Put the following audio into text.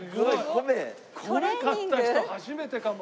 米買った人初めてかも。